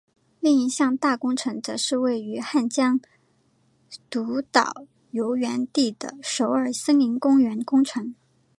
另一项大工程则是位于汉江纛岛游园地的首尔森林公园工程。